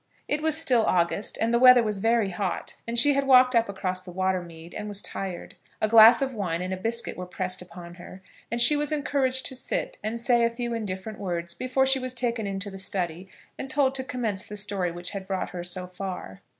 It was still August, and the weather was very hot, and she had walked up across the water mead, and was tired. A glass of wine and a biscuit were pressed upon her, and she was encouraged to sit and say a few indifferent words, before she was taken into the study and told to commence the story which had brought her so far.